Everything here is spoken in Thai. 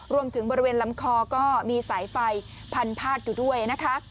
บริเวณลำคอก็มีสายไฟพันพาดอยู่ด้วยนะคะ